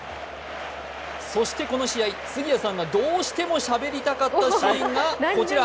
そしてこの試合、杉谷さんがどうしてもしゃべりたかったシーンがこちら。